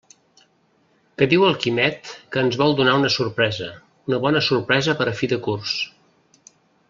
Que diu el Quimet que ens vol donar una sorpresa, una bona sorpresa per a fi de curs.